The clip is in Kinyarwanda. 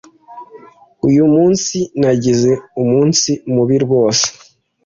Uyu munsi nagize umunsi mubi rwose.